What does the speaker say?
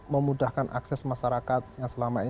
memudahkan akses masyarakat yang selama ini